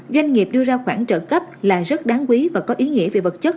doanh nghiệp đưa ra khoản trợ cấp là rất đáng quý và có ý nghĩa về vật chất